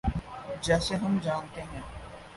جیسے ہم جانتے ہیں۔